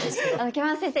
木村先生